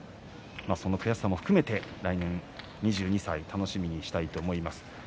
その悔しさも含めて来年２２歳楽しみにしたいと思います。